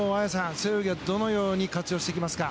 背泳ぎへどのように活用していきますか？